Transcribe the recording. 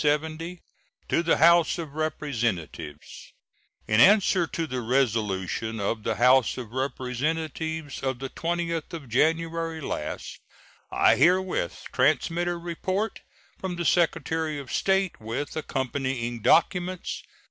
To the House of Representatives: In answer to the resolution of the House of Representatives of the 20th of January last, I herewith transmit a report from the Secretary of State, with accompanying documents.